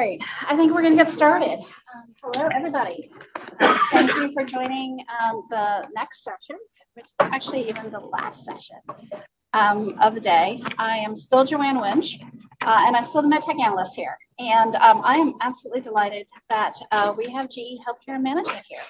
All right, I think we're going to get started. Hello, everybody. Thank you for joining the next session, actually even the last session of the day. I am still Joanne Wuensch, and I'm still the med tech analyst here. I am absolutely delighted that we have GE HealthCare management here.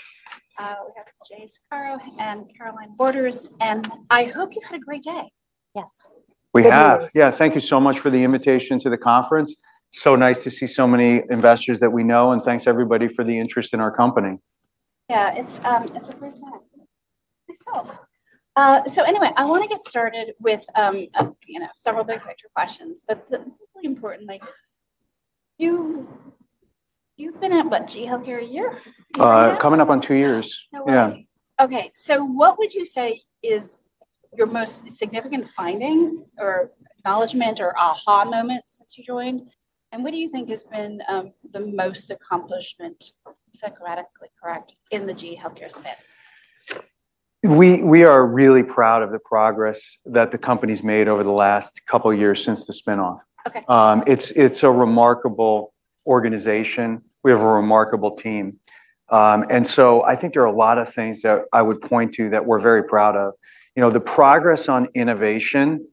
We have James Saccaro and Carolynne Borders, and I hope you've had a great day. Yes. We have. Yeah, thank you so much for the invitation to the conference. So nice to see so many investors that we know, and thanks everybody for the interest in our company. Yeah, it's a great day. So anyway, I want to get started with several big picture questions, but really importantly, you've been at GE HealthCare a year. Coming up on two years. No worries. Okay, so what would you say is your most significant finding or acknowledgment or aha moment since you joined? And what do you think has been the most accomplishment, strategically correct, in the GE HealthCare spin? We are really proud of the progress that the company's made over the last couple of years since the spin-off. It's a remarkable organization. We have a remarkable team. And so I think there are a lot of things that I would point to that we're very proud of. The progress on innovation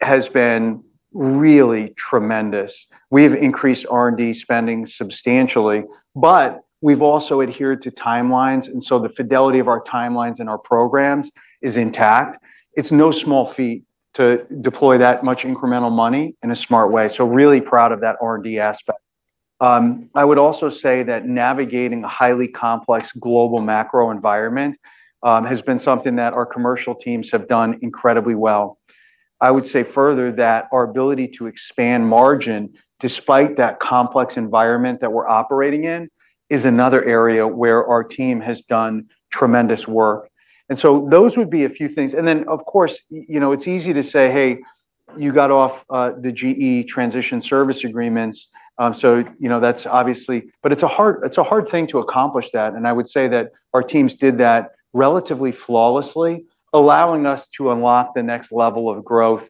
has been really tremendous. We have increased R&D spending substantially, but we've also adhered to timelines, and so the fidelity of our timelines and our programs is intact. It's no small feat to deploy that much incremental money in a smart way. So really proud of that R&D aspect. I would also say that navigating a highly complex global macro environment has been something that our commercial teams have done incredibly well. I would say further that our ability to expand margin despite that complex environment that we're operating in is another area where our team has done tremendous work. And so those would be a few things. And then, of course, it's easy to say, "Hey, you got off the GE Transition Service Agreements." So that's obviously, but it's a hard thing to accomplish that. And I would say that our teams did that relatively flawlessly, allowing us to unlock the next level of growth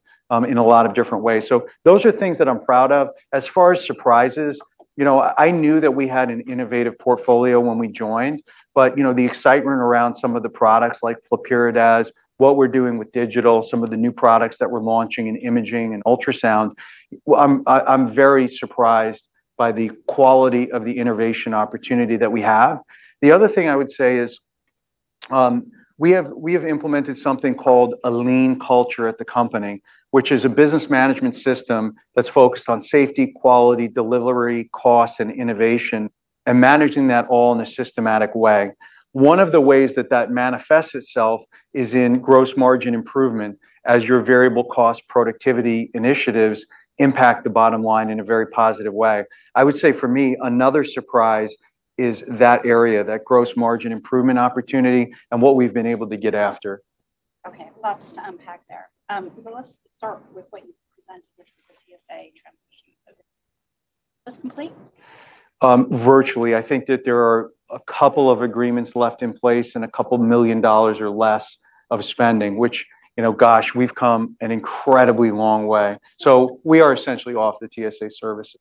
in a lot of different ways. So those are things that I'm proud of. As far as surprises, I knew that we had an innovative portfolio when we joined, but the excitement around some of the products like Flyrcado, what we're doing with digital, some of the new products that we're launching in imaging and ultrasound. I'm very surprised by the quality of the innovation opportunity that we have. The other thing I would say is we have implemented something called a Lean culture at the company, which is a business management system that's focused on safety, quality, delivery, cost, and innovation, and managing that all in a systematic way. One of the ways that that manifests itself is in gross margin improvement as your variable cost productivity initiatives impact the bottom line in a very positive way. I would say for me, another surprise is that area, that gross margin improvement opportunity and what we've been able to get after. Okay, lots to unpack there. Let's start with what you presented, which was the TSA transition. That's complete? Virtually. I think that there are a couple of agreements left in place and couple of million or less of spending, which, gosh, we've come an incredibly long way. We are essentially off the TSA service.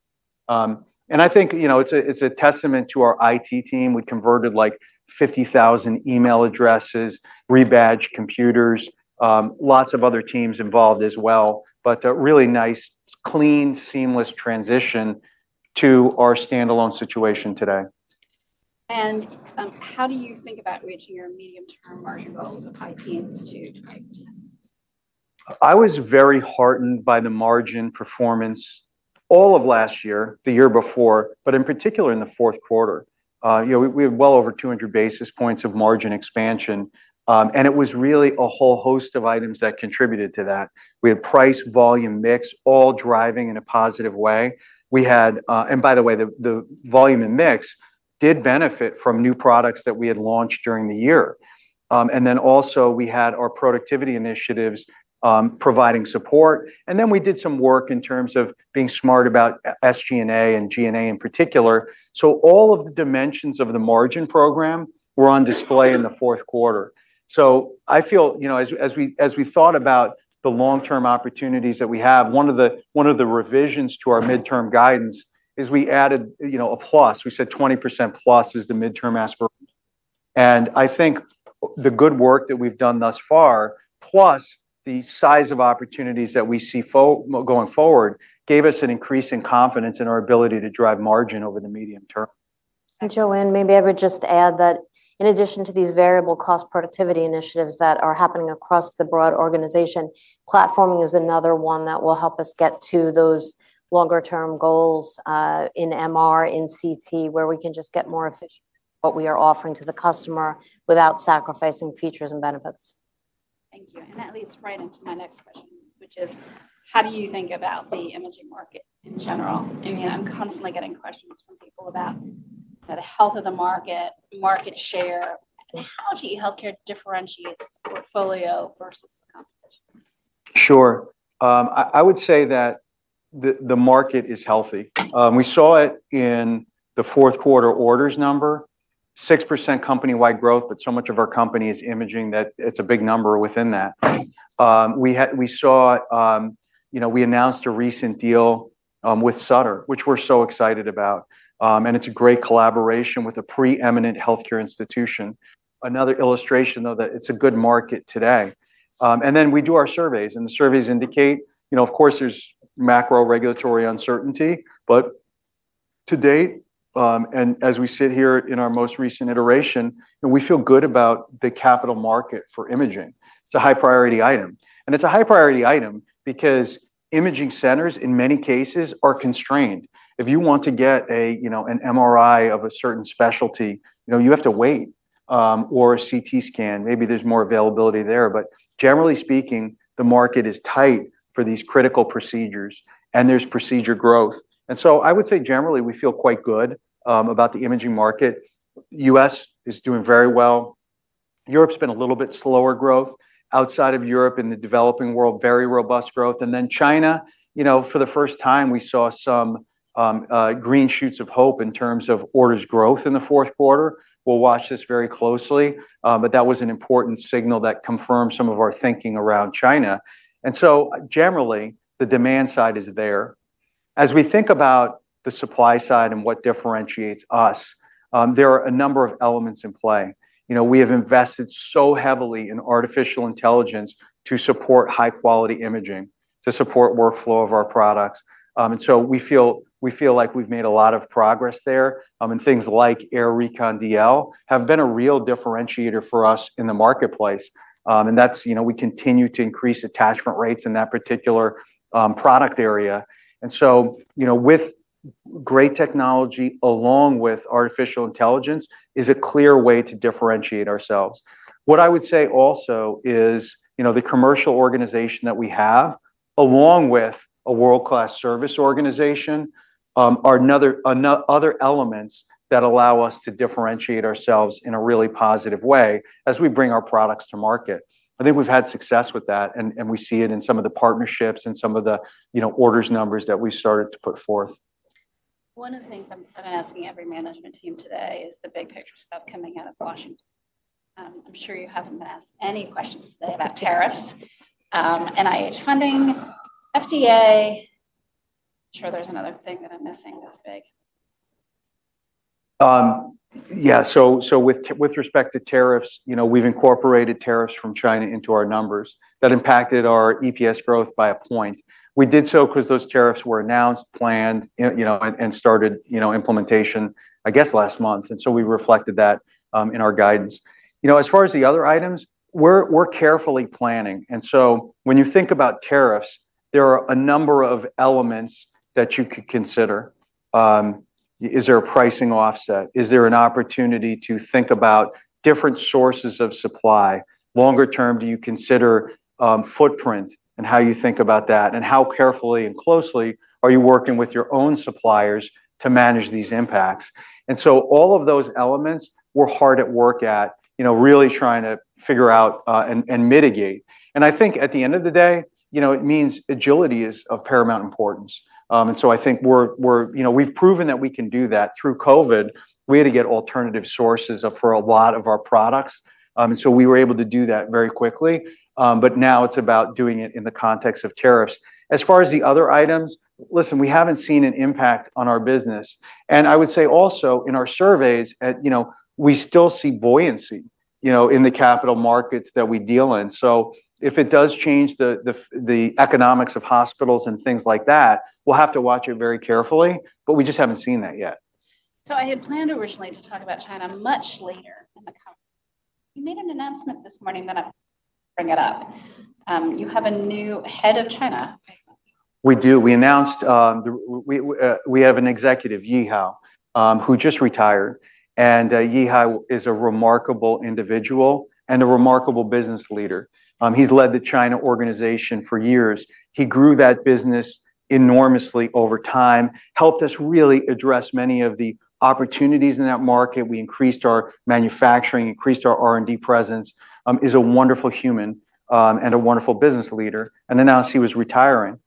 And I think it's a testament to our IT team. We converted like 50,000 email addresses, rebadged computers, lots of other teams involved as well, but a really nice, clean, seamless transition to our standalone situation today. How do you think about reaching your medium-term margin goals of high teens, too? I was very heartened by the margin performance all of last year, the year before, but in particular in the fourth quarter. We had well over 200 basis points of margin expansion, and it was really a whole host of items that contributed to that. We had price, volume, mix all driving in a positive way. And by the way, the volume and mix did benefit from new products that we had launched during the year. And then also we had our productivity initiatives providing support. And then we did some work in terms of being smart about SG&A and G&A in particular. So all of the dimensions of the margin program were on display in the fourth quarter. I feel as we thought about the long-term opportunities that we have, one of the revisions to our midterm guidance is we added a plus. We said +20% is the midterm aspiration, and I think the good work that we've done thus far, plus the size of opportunities that we see going forward, gave us an increase in confidence in our ability to drive margin over the medium term. Joanne, maybe I would just add that in addition to these variable cost productivity initiatives that are happening across the broad organization, platforming is another one that will help us get to those longer-term goals in MR, in CT, where we can just get more efficient in what we are offering to the customer without sacrificing features and benefits. Thank you. And that leads right into my next question, which is how do you think about the imaging market in general? I mean, I'm constantly getting questions from people about the health of the market, market share, and how GE HealthCare differentiates its portfolio versus the competition. Sure. I would say that the market is healthy. We saw it in the fourth quarter orders number, 6% company-wide growth, but so much of our company is imaging that it's a big number within that. We announced a recent deal with Sutter, which we're so excited about, and it's a great collaboration with a preeminent healthcare institution. Another illustration, though, that it's a good market today, and then we do our surveys, and the surveys indicate, of course, there's macro regulatory uncertainty, but to date, and as we sit here in our most recent iteration, we feel good about the capital market for imaging. It's a high priority item, and it's a high priority item because imaging centers in many cases are constrained. If you want to get an MRI of a certain specialty, you have to wait or a CT scan. Maybe there's more availability there, but generally speaking, the market is tight for these critical procedures and there's procedure growth, and so I would say generally we feel quite good about the imaging market. The U.S. is doing very well. Europe's been a little bit slower growth. Outside of Europe in the developing world, very robust growth, and then China, for the first time, we saw some green shoots of hope in terms of orders growth in the fourth quarter. We'll watch this very closely, but that was an important signal that confirmed some of our thinking around China, and so generally, the demand side is there. As we think about the supply side and what differentiates us, there are a number of elements in play. We have invested so heavily in artificial intelligence to support high-quality imaging, to support the workflow of our products. And so we feel like we've made a lot of progress there. And things like AIR Recon DL have been a real differentiator for us in the marketplace. And we continue to increase attachment rates in that particular product area. And so with great technology along with artificial intelligence is a clear way to differentiate ourselves. What I would say also is the commercial organization that we have, along with a world-class service organization, are other elements that allow us to differentiate ourselves in a really positive way as we bring our products to market. I think we've had success with that, and we see it in some of the partnerships and some of the orders numbers that we started to put forth. One of the things I'm asking every management team today is the big picture stuff coming out of Washington. I'm sure you haven't been asked any questions today about tariffs, NIH funding, FDA. I'm sure there's another thing that I'm missing that's big. Yeah, so with respect to tariffs, we've incorporated tariffs from China into our numbers. That impacted our EPS growth by a point. We did so because those tariffs were announced, planned, and started implementation, I guess, last month. And so we reflected that in our guidance. As far as the other items, we're carefully planning. And so when you think about tariffs, there are a number of elements that you could consider. Is there a pricing offset? Is there an opportunity to think about different sources of supply? Longer term, do you consider footprint and how you think about that? And how carefully and closely are you working with your own suppliers to manage these impacts? And so all of those elements, we're hard at work at really trying to figure out and mitigate. And I think at the end of the day, it means agility is of paramount importance. And so I think we've proven that we can do that. Through COVID, we had to get alternative sources for a lot of our products. And so we were able to do that very quickly. But now it's about doing it in the context of tariffs. As far as the other items, listen, we haven't seen an impact on our business. And I would say also in our surveys, we still see buoyancy in the capital markets that we deal in. So if it does change the economics of hospitals and things like that, we'll have to watch it very carefully, but we just haven't seen that yet. I had planned originally to talk about China much later in the conference. You made an announcement this morning that I'll bring it up. You have a new head of China. We do. We announced we have an executive, Yihao, who just retired, and Yihao is a remarkable individual and a remarkable business leader. He's led the China organization for years. He grew that business enormously over time, helped us really address many of the opportunities in that market. We increased our manufacturing, increased our R&D presence, is a wonderful human and a wonderful business leader, and then now he was retiring.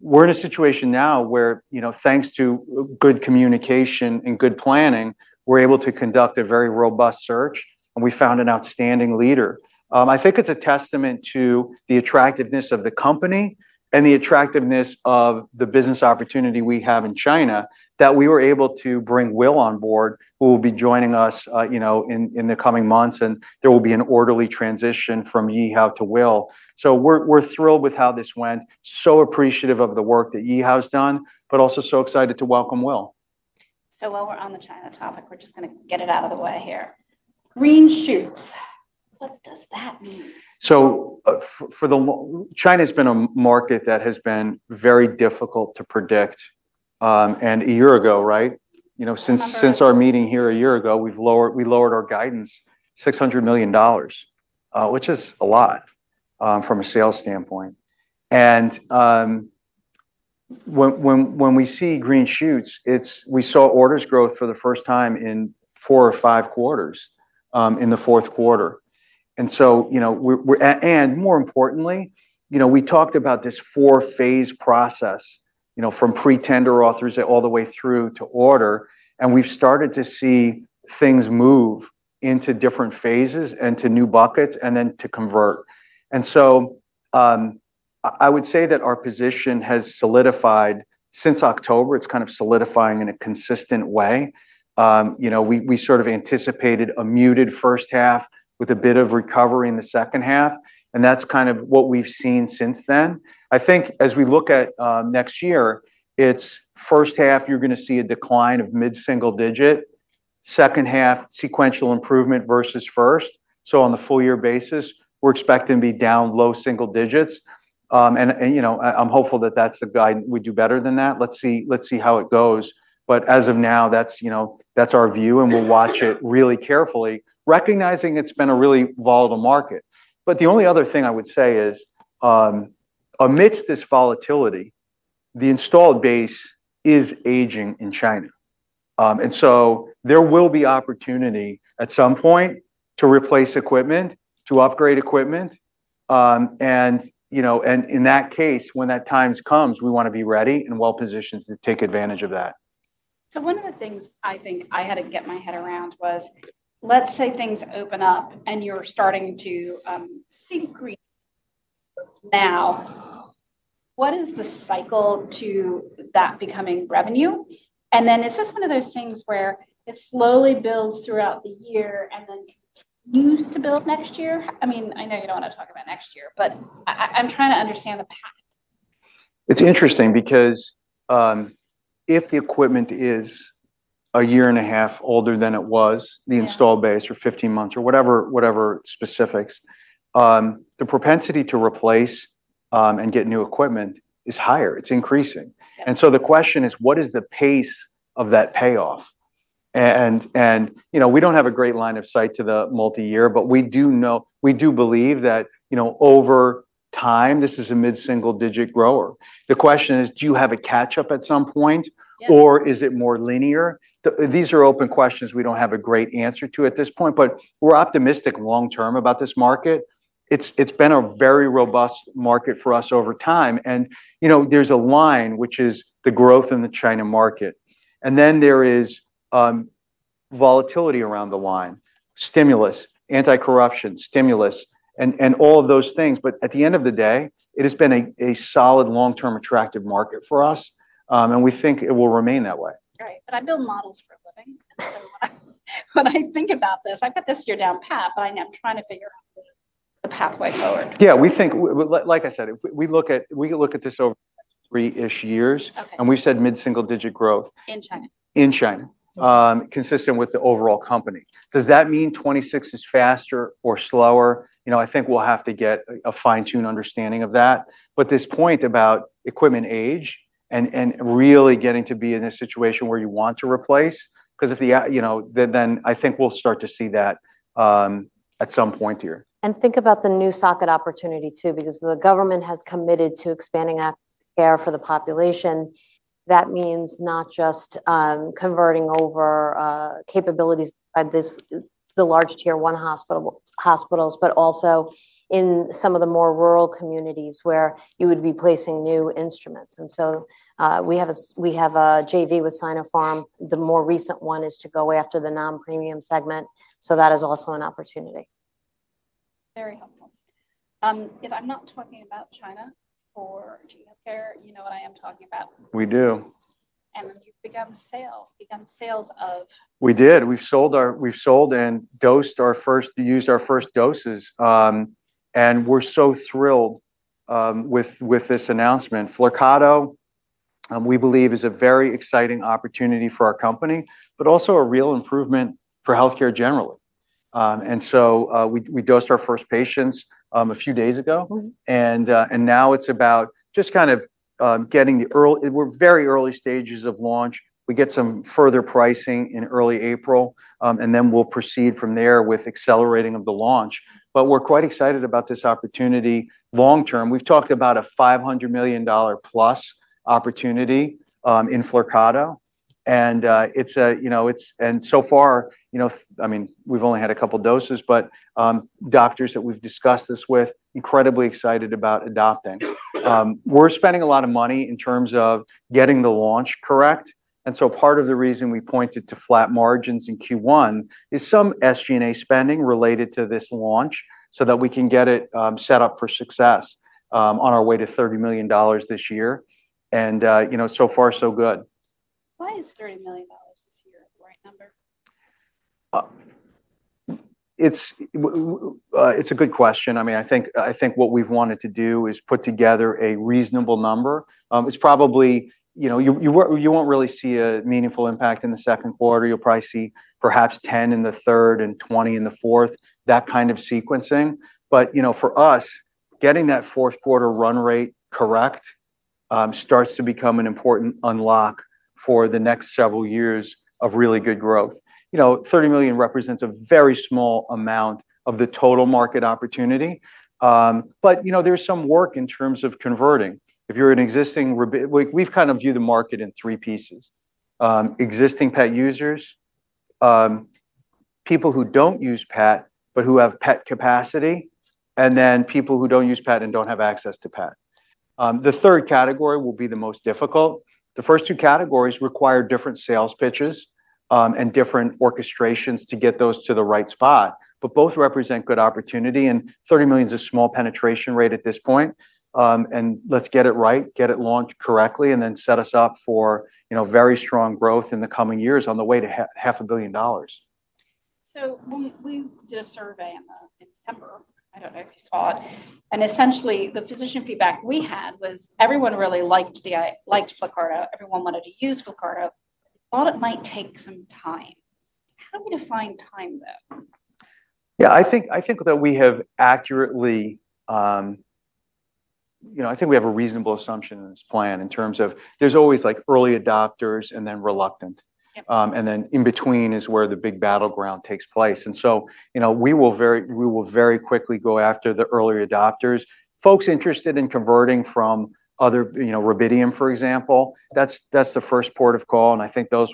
We're in a situation now where, thanks to good communication and good planning, we're able to conduct a very robust search, and we found an outstanding leader. I think it's a testament to the attractiveness of the company and the attractiveness of the business opportunity we have in China that we were able to bring Will on board, who will be joining us in the coming months, and there will be an orderly transition from Yihao to Will. We're thrilled with how this went. So appreciative of the work that Yihao has done, but also so excited to welcome Will. So while we're on the China topic, we're just going to get it out of the way here. Green shoots. What does that mean? China has been a market that has been very difficult to predict. And a year ago, right? Since our meeting here a year ago, we lowered our guidance $600 million, which is a lot from a sales standpoint. And when we see green shoots, we saw orders growth for the first time in four or five quarters in the fourth quarter. And so, and more importantly, we talked about this four-phase process from pre-tender authorization all the way through to order. And we've started to see things move into different phases and to new buckets and then to convert. And so I would say that our position has solidified since October. It's kind of solidifying in a consistent way. We sort of anticipated a muted first half with a bit of recovery in the second half. And that's kind of what we've seen since then. I think as we look at next year, it's first half, you're going to see a decline of mid-single-digit, second half, sequential improvement versus first. So on the full year basis, we're expecting to be down low single digits, and I'm hopeful that that's the guide. We do better than that. Let's see how it goes. But as of now, that's our view, and we'll watch it really carefully, recognizing it's been a really volatile market. The only other thing I would say is amidst this volatility, the installed base is aging in China. So there will be opportunity at some point to replace equipment, to upgrade equipment. In that case, when that time comes, we want to be ready and well-positioned to take advantage of that. So one of the things I think I had to get my head around was let's say things open up and you're starting to see green now. What is the cycle to that becoming revenue? And then is this one of those things where it slowly builds throughout the year and then continues to build next year? I mean, I know you don't want to talk about next year, but I'm trying to understand the path. It's interesting because if the equipment is a year and a half older than it was, the installed base or 15 months or whatever specifics, the propensity to replace and get new equipment is higher. It's increasing, and so the question is, what is the pace of that payoff, and we don't have a great line of sight to the multi-year, but we do believe that over time, this is a mid-single digit grower. The question is, do you have a catch-up at some point, or is it more linear? These are open questions we don't have a great answer to at this point, but we're optimistic long-term about this market. It's been a very robust market for us over time, and there's a line, which is the growth in the China market, and then there is volatility around the line, stimulus, anti-corruption, stimulus, and all of those things. But at the end of the day, it has been a solid long-term attractive market for us, and we think it will remain that way. Right. But I build models for a living. And so when I think about this, I put this year down pat, but I'm trying to figure out the pathway forward. Yeah, we think, like I said, we look at this over three years-ish, and we've said mid-single digit growth. In China? In China, consistent with the overall company. Does that mean 2026 is faster or slower? I think we'll have to get a fine-tuned understanding of that. But this point about equipment age and really getting to be in a situation where you want to replace, because then I think we'll start to see that at some point here. And think about the new socket opportunity too, because the government has committed to expanding access to care for the population. That means not just converting over capabilities at the large tier one hospitals, but also in some of the more rural communities where you would be placing new instruments. And so we have a JV with Sinopharm. The more recent one is to go after the non-premium segment. So that is also an opportunity. Very helpful. If I'm not talking about China for GE HealthCare, you know what I am talking about. We do. And then you've begun sales. We did. We've sold and dosed our first, used our first doses. And we're so thrilled with this announcement. Flyrcado, we believe, is a very exciting opportunity for our company, but also a real improvement for healthcare generally. And so we dosed our first patients a few days ago. And now it's about just kind of getting the early, we're very early stages of launch. We get some further pricing in early April, and then we'll proceed from there with accelerating of the launch. But we're quite excited about this opportunity long-term. We've talked about a $500 million plus opportunity in Flyrcado. And so far, I mean, we've only had a couple of doses, but doctors that we've discussed this with are incredibly excited about adopting. We're spending a lot of money in terms of getting the launch correct. And so part of the reason we pointed to flat margins in Q1 is some SG&A spending related to this launch so that we can get it set up for success on our way to $30 million this year. And so far, so good. Why is $30 million this year the right number? It's a good question. I mean, I think what we've wanted to do is put together a reasonable number. It's probably you won't really see a meaningful impact in the second quarter. You'll probably see perhaps $10 million in the third and $20 million in the fourth, that kind of sequencing. But for us, getting that fourth quarter run rate correct starts to become an important unlock for the next several years of really good growth. $30 million represents a very small amount of the total market opportunity. But there's some work in terms of converting. If you're an existing, we've kind of viewed the market in three pieces: existing PET users, people who don't use PET, but who have PET capacity, and then people who don't use PET and don't have access to PET. The third category will be the most difficult. The first two categories require different sales pitches and different orchestrations to get those to the right spot. But both represent good opportunity. And $30 million is a small penetration rate at this point. And let's get it right, get it launched correctly, and then set us up for very strong growth in the coming years on the way to $500 million. We did a survey in December. I don't know if you saw it. And essentially, the physician feedback we had was everyone really liked Flyrcado. Everyone wanted to use Flyrcado. We thought it might take some time. How do we define time, though? Yeah, I think that we have accurately, I think we have a reasonable assumption in this plan in terms of there's always early adopters and then reluctant. And then in between is where the big battleground takes place. And so we will very quickly go after the early adopters. Folks interested in converting from other rubidium, for example, that's the first port of call. And I think those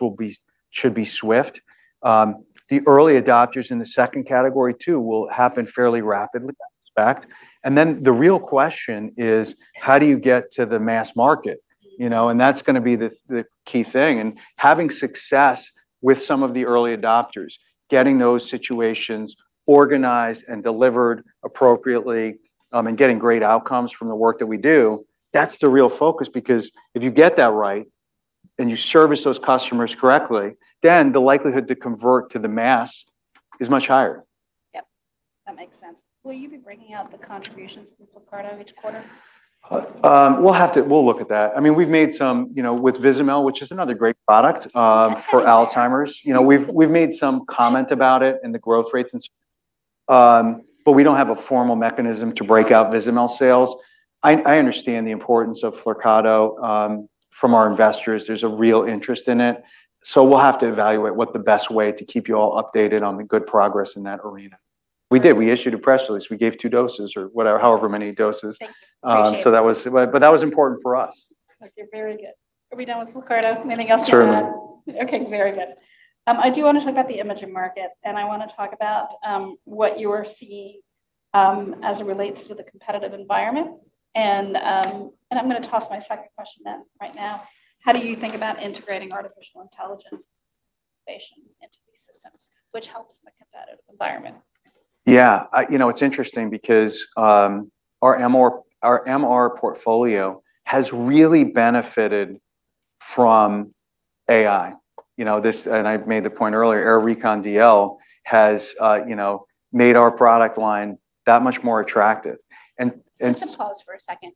should be swift. The early adopters in the second category too will happen fairly rapidly. And then the real question is, how do you get to the mass market? And that's going to be the key thing. And having success with some of the early adopters, getting those situations organized and delivered appropriately, and getting great outcomes from the work that we do, that's the real focus. Because if you get that right and you service those customers correctly, then the likelihood to convert to the mass is much higher. Yep. That makes sense. Will you be bringing out the contributions from Flyrcado each quarter? We'll have to, we'll look at that. I mean, we've made some with Vizamyl, which is another great product for Alzheimer's. We've made some comment about it and the growth rates. But we don't have a formal mechanism to break out Vizamyl sales. I understand the importance of Flyrcado from our investors. There's a real interest in it. We'll have to evaluate what the best way to keep you all updated on the good progress in that arena. We did. We issued a press release. We gave two doses or however many doses. That was important for us. Okay, very good. Are we done with Flyrcado? Anything else to add? Sure. Okay, very good. I do want to talk about the imaging market, and I want to talk about what you are seeing as it relates to the competitive environment, and I'm going to toss my second question then right now. How do you think about integrating artificial intelligence into these systems, which helps in the competitive environment? Yeah, it's interesting because our MR portfolio has really benefited from AI. And I made the point earlier, AIR Recon DL has made our product line that much more attractive. Let's pause for a second.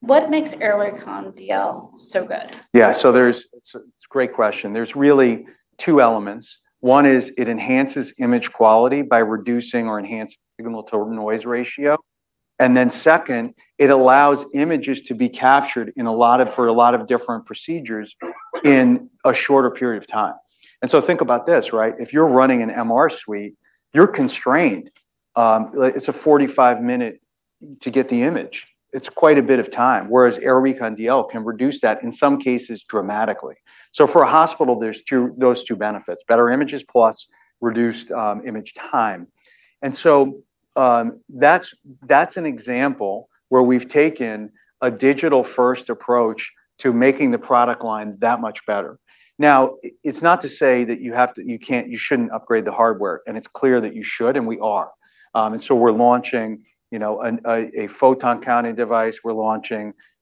What makes AIR Recon DL so good? Yeah, so it's a great question. There's really two elements. One is it enhances image quality by reducing or enhancing the signal-to-noise ratio. And then second, it allows images to be captured for a lot of different procedures in a shorter period of time. And so think about this, right? If you're running an MR suite, you're constrained. It's 45 minutes to get the image. It's quite a bit of time. Whereas AIR Recon DL can reduce that in some cases dramatically. So for a hospital, there's those two benefits: better images plus reduced image time. And so that's an example where we've taken a digital-first approach to making the product line that much better. Now, it's not to say that you shouldn't upgrade the hardware. And it's clear that you should, and we are. And so we're launching a photon counting device.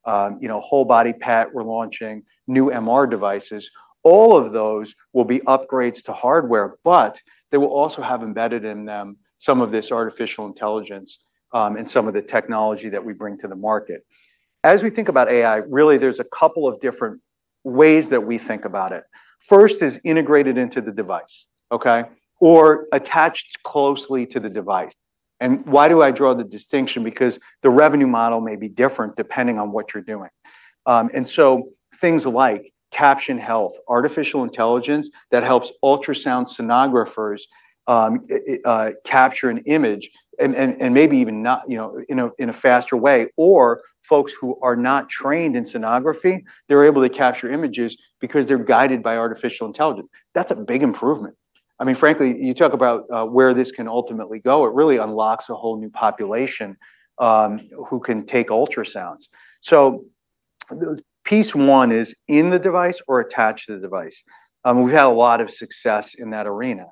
We're launching whole-body PET. We're launching new MR devices. All of those will be upgrades to hardware, but they will also have embedded in them some of this artificial intelligence and some of the technology that we bring to the market. As we think about AI, really, there's a couple of different ways that we think about it. First is integrated into the device, okay, or attached closely to the device. And why do I draw the distinction? Because the revenue model may be different depending on what you're doing. And so things like Caption Health, artificial intelligence that helps ultrasound sonographers capture an image and maybe even in a faster way. Or folks who are not trained in sonography, they're able to capture images because they're guided by artificial intelligence. That's a big improvement. I mean, frankly, you talk about where this can ultimately go. It really unlocks a whole new population who can take ultrasounds. So piece one is in the device or attached to the device. We've had a lot of success in that arena.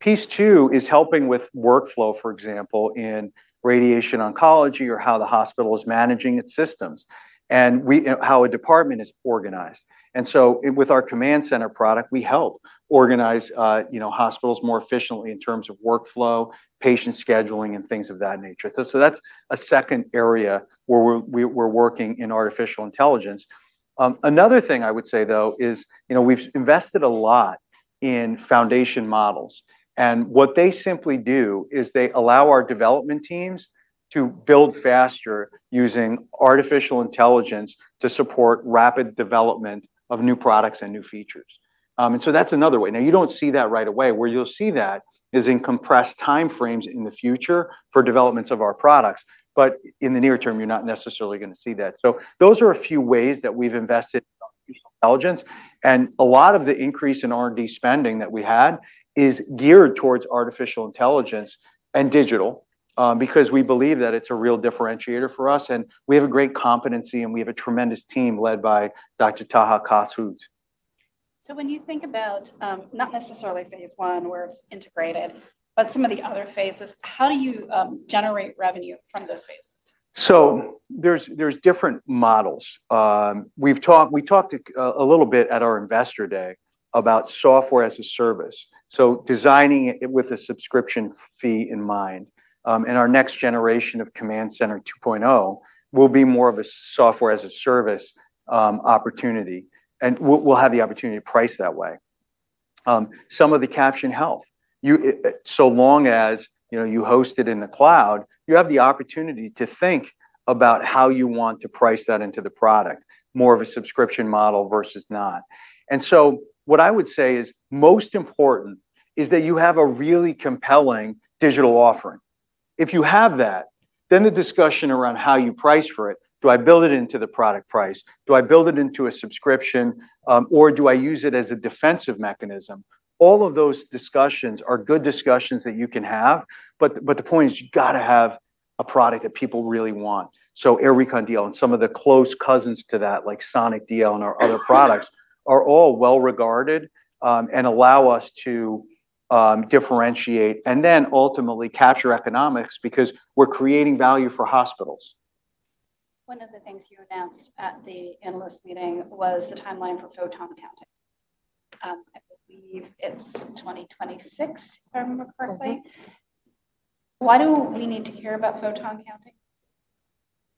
Piece two is helping with workflow, for example, in radiation oncology or how the hospital is managing its systems and how a department is organized. And so with our Command Center product, we help organize hospitals more efficiently in terms of workflow, patient scheduling, and things of that nature. So that's a second area where we're working in artificial intelligence. Another thing I would say, though, is we've invested a lot in foundation models. And what they simply do is they allow our development teams to build faster using artificial intelligence to support rapid development of new products and new features. And so that's another way. Now, you don't see that right away. Where you'll see that is in compressed timeframes in the future for developments of our products. But in the near term, you're not necessarily going to see that. So those are a few ways that we've invested in artificial intelligence. And a lot of the increase in R&D spending that we had is geared towards artificial intelligence and digital because we believe that it's a real differentiator for us. And we have a great competency, and we have a tremendous team led by Dr. Taha Kass-Hout. When you think about not necessarily phase one where it's integrated, but some of the other phases, how do you generate revenue from those phases? So there's different models. We talked a little bit at our Investor Day about software as a service. So designing it with a subscription fee in mind. And our next generation of Command Center 2.0 will be more of a software as a service opportunity. And we'll have the opportunity to price that way. Some of the Caption Health, so long as you host it in the cloud, you have the opportunity to think about how you want to price that into the product, more of a subscription model versus not. And so what I would say is most important is that you have a really compelling digital offering. If you have that, then the discussion around how you price for it, do I build it into the product price? Do I build it into a subscription? Or do I use it as a defensive mechanism? All of those discussions are good discussions that you can have. But the point is you've got to have a product that people really want. So AIR Recon DL and some of the close cousins to that, like Sonic DL and our other products, are all well regarded and allow us to differentiate and then ultimately capture economics because we're creating value for hospitals. One of the things you announced at the analyst meeting was the timeline for photon counting. I believe it's 2026, if I remember correctly. Why do we need to hear about photon counting?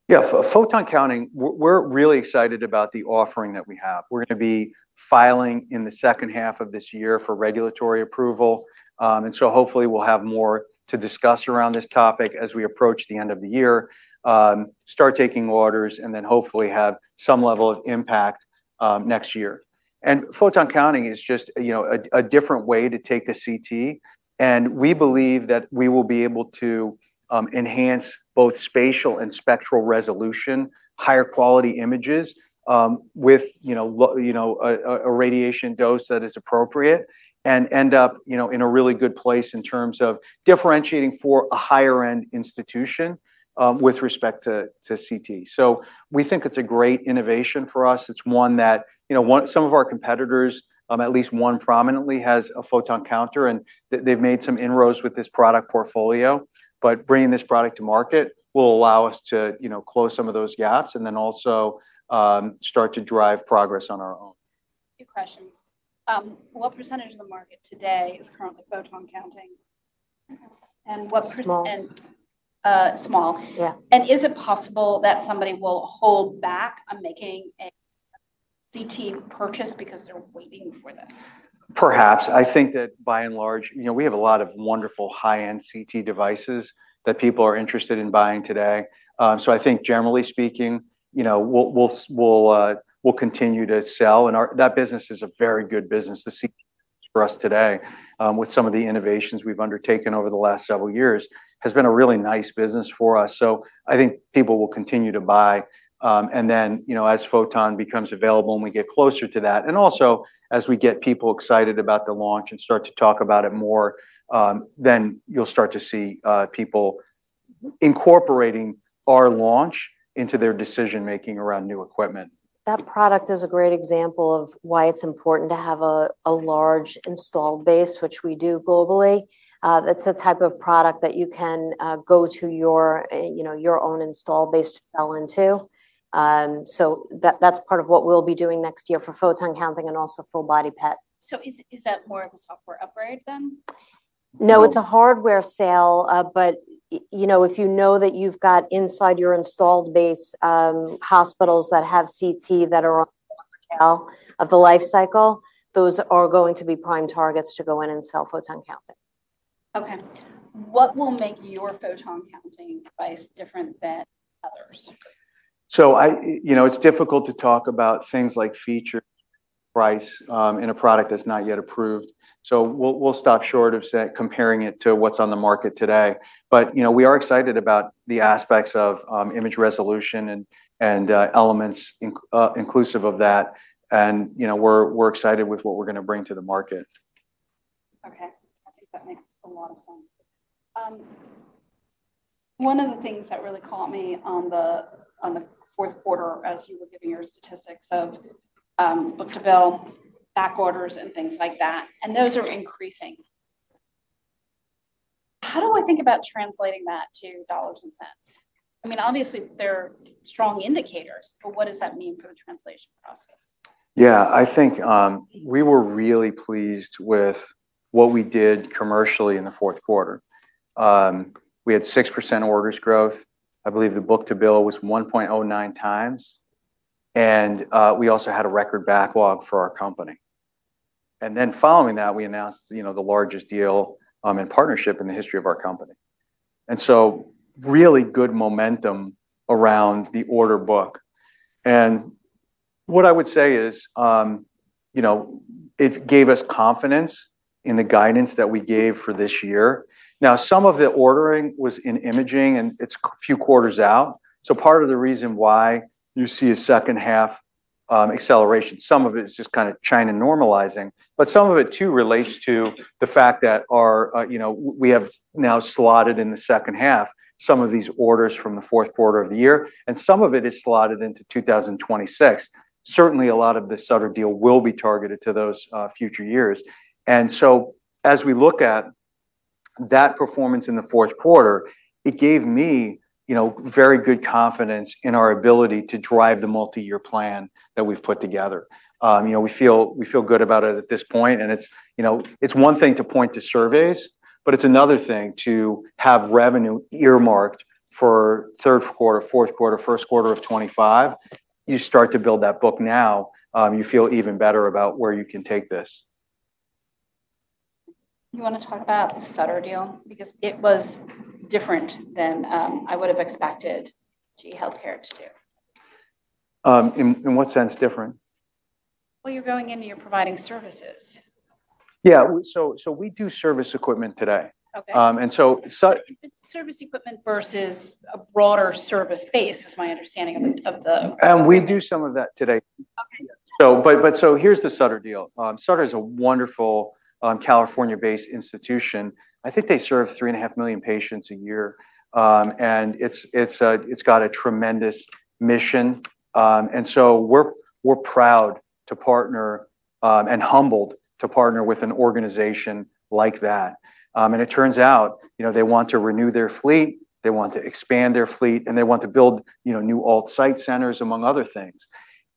Yeah, photon counting, we're really excited about the offering that we have. We're going to be filing in the second half of this year for regulatory approval. And so hopefully we'll have more to discuss around this topic as we approach the end of the year, start taking orders, and then hopefully have some level of impact next year. And photon counting is just a different way to take the CT. And we believe that we will be able to enhance both spatial and spectral resolution, higher quality images with a radiation dose that is appropriate, and end up in a really good place in terms of differentiating for a higher-end institution with respect to CT. So we think it's a great innovation for us. It's one that some of our competitors, at least one prominently, has photon counting. And they've made some inroads with this product portfolio. But bringing this product to market will allow us to close some of those gaps and then also start to drive progress on our own. Good questions. What percentage of the market today is currently photon counting? And what percent? Small. Small. Yeah. And is it possible that somebody will hold back on making a CT purchase because they're waiting for this? Perhaps. I think that by and large, we have a lot of wonderful high-end CT devices that people are interested in buying today. I think generally speaking, we'll continue to sell. And that business is a very good business. The CT for us today, with some of the innovations we've undertaken over the last several years, has been a really nice business for us. I think people will continue to buy. And then as photon counting becomes available and we get closer to that, and also as we get people excited about the launch and start to talk about it more, then you'll start to see people incorporating our launch into their decision-making around new equipment. That product is a great example of why it's important to have a large installed base, which we do globally. It's the type of product that you can go to your own installed base to sell into. So that's part of what we'll be doing next year for photon counting and also full-body PET. So is that more of a software upgrade than? No, it's a hardware sale. But if you know that you've got inside your installed base hospitals that have CT that are on the lifecycle, those are going to be prime targets to go in and sell photon counting. Okay. What will make your photon counting device different than others? It's difficult to talk about things like feature price in a product that's not yet approved. We'll stop short of comparing it to what's on the market today. We are excited about the aspects of image resolution and elements inclusive of that. We're excited with what we're going to bring to the market. Okay. I think that makes a lot of sense. One of the things that really caught me on the fourth quarter as you were giving your statistics of book-to-bill, back orders, and things like that, and those are increasing. How do I think about translating that to dollars and cents? I mean, obviously, they're strong indicators, but what does that mean for the translation process? Yeah, I think we were really pleased with what we did commercially in the fourth quarter. We had 6% orders growth. I believe the book-to-bill was 1.09x, and we also had a record backlog for our company, and then following that, we announced the largest deal in partnership in the history of our company, and so really good momentum around the order book, and what I would say is it gave us confidence in the guidance that we gave for this year. Now, some of the ordering was in imaging, and it's a few quarters out, so part of the reason why you see a second-half acceleration, some of it is just kind of China normalizing, but some of it too relates to the fact that we have now slotted in the second half some of these orders from the fourth quarter of the year. Some of it is slotted into 2026. Certainly, a lot of the Sutter deal will be targeted to those future years. As we look at that performance in the fourth quarter, it gave me very good confidence in our ability to drive the multi-year plan that we've put together. We feel good about it at this point. It's one thing to point to surveys, but it's another thing to have revenue earmarked for third quarter, fourth quarter, first quarter of 2025. You start to build that book now, you feel even better about where you can take this. You want to talk about the Sutter deal because it was different than I would have expected GE HealthCare to do. In what sense different? You're going into your providing services. Yeah. So we do service equipment today. Okay. Service equipment versus a broader service base is my understanding of the-- We do some of that today. Here's the Sutter deal. Sutter is a wonderful California-based institution. I think they serve 3.5 million patients a year. It's got a tremendous mission. We're proud to partner and humbled to partner with an organization like that. It turns out they want to renew their fleet. They want to expand their fleet. They want to build new alt-site centers, among other things.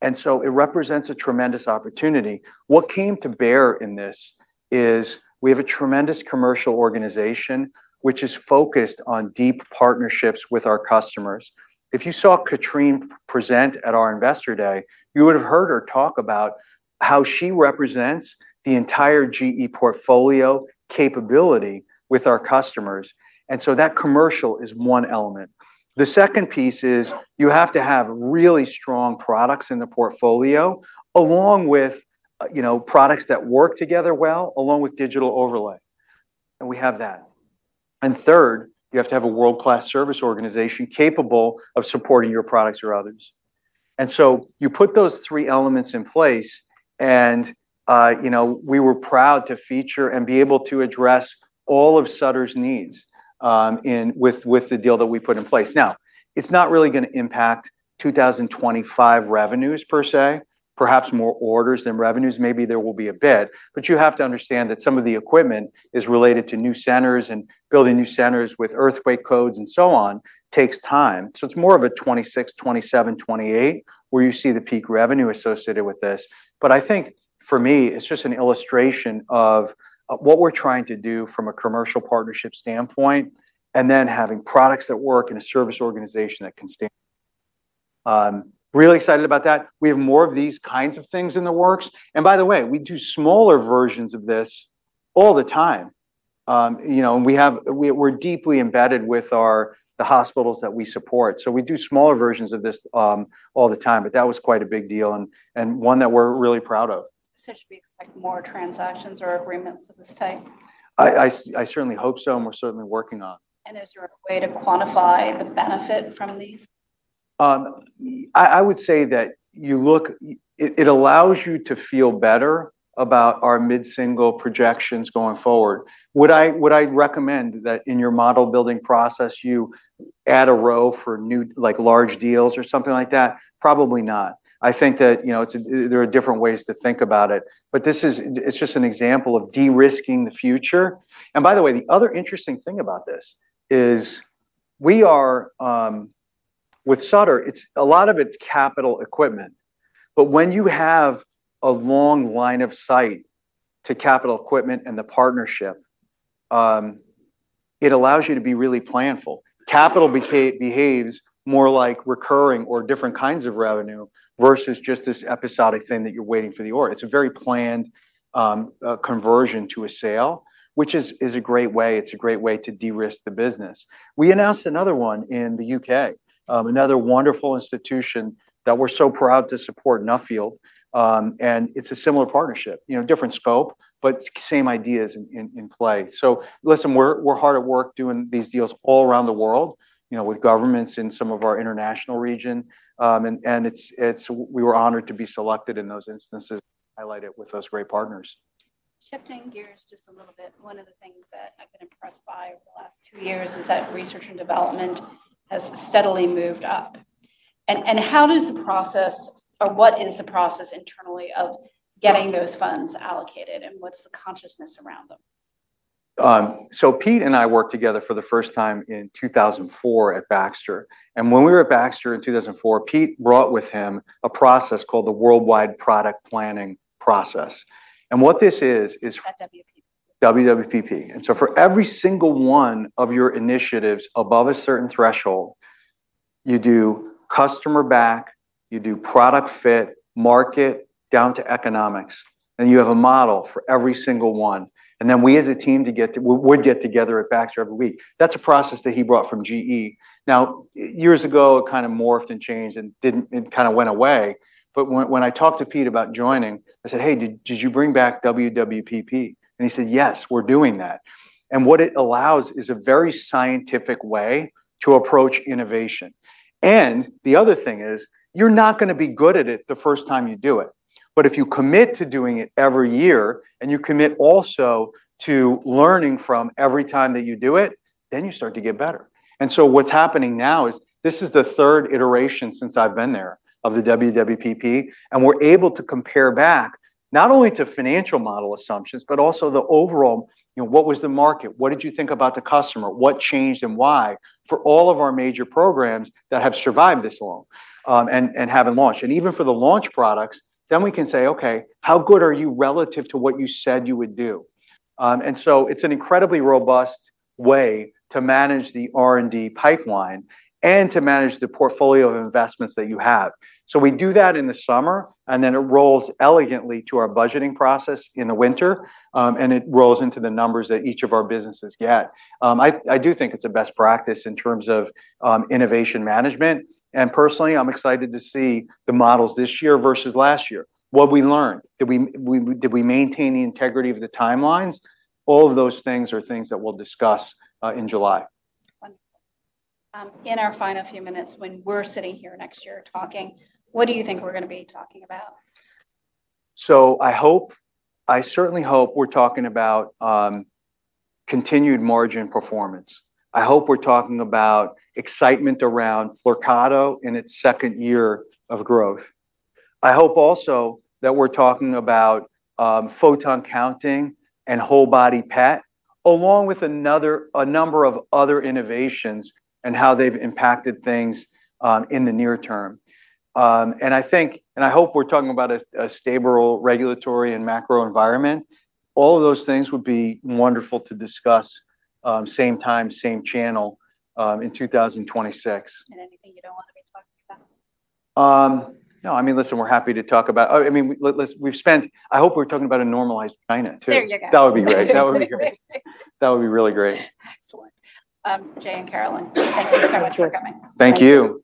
It represents a tremendous opportunity. What came to bear in this is we have a tremendous commercial organization, which is focused on deep partnerships with our customers. If you saw Catherine present at our Investor Day, you would have heard her talk about how she represents the entire GE portfolio capability with our customers. That commercial is one element. The second piece is you have to have really strong products in the portfolio along with products that work together well along with digital overlay. And we have that. And third, you have to have a world-class service organization capable of supporting your products or others. And so you put those three elements in place. And we were proud to feature and be able to address all of Sutter's needs with the deal that we put in place. Now, it's not really going to impact 2025 revenues per se, perhaps more orders than revenues. Maybe there will be a bit. But you have to understand that some of the equipment is related to new centers and building new centers with earthquake codes and so on takes time. So it's more of a 2026, 2027, 2028 where you see the peak revenue associated with this. But I think for me, it's just an illustration of what we're trying to do from a commercial partnership standpoint and then having products that work in a service organization that can stand. Really excited about that. We have more of these kinds of things in the works. And by the way, we do smaller versions of this all the time. We're deeply embedded with the hospitals that we support. We do smaller versions of this all the time. But that was quite a big deal and one that we're really proud of. So should we expect more transactions or agreements of this type? I certainly hope so, and we're certainly working on it. Is there a way to quantify the benefit from these? I would say that it allows you to feel better about our mid-single projections going forward. Would I recommend that in your model building process, you add a row for large deals or something like that? Probably not. I think that there are different ways to think about it. But this is just an example of de-risking the future. And by the way, the other interesting thing about this is with Sutter, a lot of it's capital equipment. But when you have a long line of sight to capital equipment and the partnership, it allows you to be really planful. Capital behaves more like recurring or different kinds of revenue versus just this episodic thing that you're waiting for the order. It's a very planned conversion to a sale, which is a great way. It's a great way to de-risk the business. We announced another one in the U.K., another wonderful institution that we're so proud to support, Nuffield. And it's a similar partnership, different scope, but same ideas in play. So listen, we're hard at work doing these deals all around the world with governments in some of our international region. And we were honored to be selected in those instances to highlight it with those great partners. Shifting gears just a little bit, one of the things that I've been impressed by over the last two years is that research and development has steadily moved up, and how does the process, or what is the process internally of getting those funds allocated, and what's the consciousness around them? Pete and I worked together for the first time in 2004 at Baxter. And when we were at Baxter in 2004, Pete brought with him a process called the Worldwide Product Planning Process. And what this is, is-- At WWPP. WWPP. And so for every single one of your initiatives above a certain threshold, you do customer back, you do product fit, market, down to economics, and you have a model for every single one. And then we as a team would get together at Baxter every week. That's a process that he brought from GE. Now, years ago, it kind of morphed and changed and kind of went away. But when I talked to Pete about joining, I said, "Hey, did you bring back WWPP?" And he said, "Yes, we're doing that." And what it allows is a very scientific way to approach innovation. And the other thing is you're not going to be good at it the first time you do it. But if you commit to doing it every year and you commit also to learning from every time that you do it, then you start to get better. And so what's happening now is this is the third iteration since I've been there of the WWPP. And we're able to compare back not only to financial model assumptions, but also the overall, what was the market? What did you think about the customer? What changed and why for all of our major programs that have survived this long and haven't launched? And even for the launch products, then we can say, "Okay, how good are you relative to what you said you would do?" And so it's an incredibly robust way to manage the R&D pipeline and to manage the portfolio of investments that you have. We do that in the summer, and then it rolls elegantly to our budgeting process in the winter, and it rolls into the numbers that each of our businesses get. I do think it's a best practice in terms of innovation management. And personally, I'm excited to see the models this year versus last year. What we learned? Did we maintain the integrity of the timelines? All of those things are things that we'll discuss in July. Wonderful. In our final few minutes when we're sitting here next year talking, what do you think we're going to be talking about? I certainly hope we're talking about continued margin performance. I hope we're talking about excitement around Flyrcado in its second year of growth. I hope also that we're talking about photon counting and whole-body PET, along with a number of other innovations and how they've impacted things in the near term. And I hope we're talking about a stable regulatory and macro environment. All of those things would be wonderful to discuss same time, same channel in 2026. Anything you don't want to be talking about? No. I mean, listen, we're happy to talk about. I mean, I hope we're talking about a normalized China too. There you go. That would be great. That would be really great. Excellent. James and Carolyn, thank you so much for coming. Thank you.